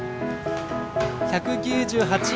１９８！あ。